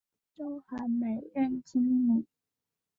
周寒梅任经理。